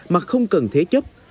mà không cần thế chấp